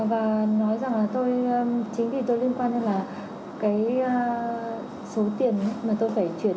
và nói rằng là tôi chính vì tôi liên quan đến là cái số tiền mà tôi phải truyền